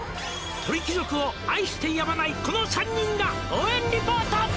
「鳥貴族を愛してやまない」「この３人が応援リポート」